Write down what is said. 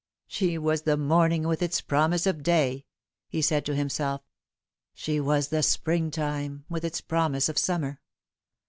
" She was the morning, with its promise of day," he said to himself. " She was the spring time, with its promise of summer.